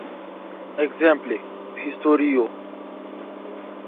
Ekzemple, historio.